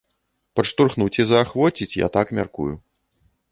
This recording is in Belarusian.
Падштурхнуць і заахвоціць, я так мяркую.